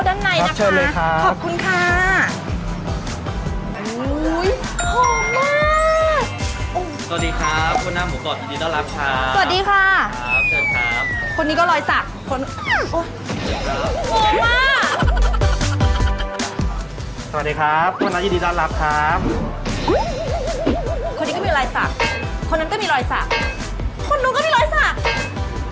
คนนี้ก็มีรอยศักดิ์คนนั้นก็มีรอยศักดิ์คนนู้นก็มีรอยศักดิ์